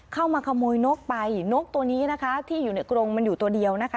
เข้ามาขโมยนกไปนกตัวนี้นะคะที่อยู่ในกรงมันอยู่ตัวเดียวนะคะ